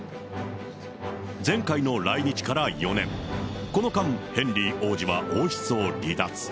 前回の来日から４年、この間、ヘンリー王子は王室を離脱。